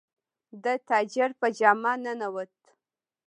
د تاجر په جامه ننووت.